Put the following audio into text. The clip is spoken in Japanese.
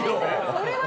それは。